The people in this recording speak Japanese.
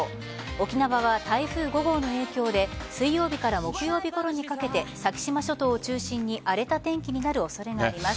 沖縄は台風５号の影響で水曜日から木曜日ごろにかけて先島諸島を中心に荒れた天気になる恐れがあります。